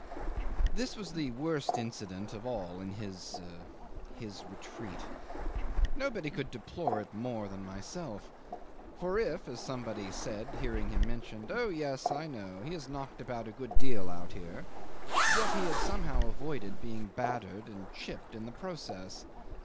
'This was the worst incident of all in his his retreat. Nobody could deplore it more than myself; for if, as somebody said hearing him mentioned, "Oh yes! I know. He has knocked about a good deal out here," yet he had somehow avoided being battered and chipped in the process.